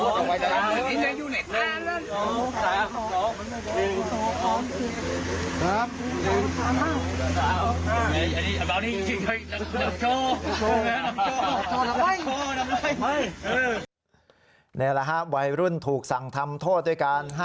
นี่แหละครับวัยรุ่นถูกสั่งทำโทษด้วยกัน